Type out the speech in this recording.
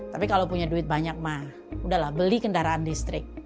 tapi kalau punya duit banyak mah udahlah beli kendaraan listrik